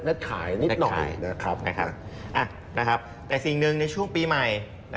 เน็ตขายนิดหน่อยแต่สิ่งหนึ่งในช่วงปีใหม่